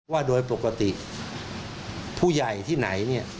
ว่าโดยปกติผู้ใหญ่ที่ไหน